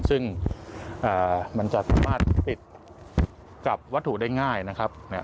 ซึ่งมันจะสามารถติดกับวัตถุได้ง่ายนะครับ